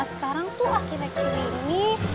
sekarang tuh akhir akhir ini